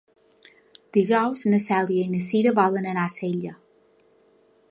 Dijous na Cèlia i na Cira volen anar a Sella.